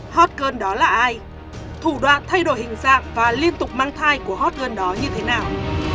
hot girl đó là ai thủ đoạn thay đổi hình dạng và liên tục mang thai của hot girl đó như thế nào